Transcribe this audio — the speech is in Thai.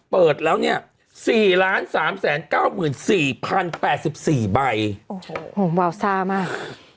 เปิดแล้วเนี่ย๔๓๙๔๐๘๔ใบโอ้โหวาวซ่ามาก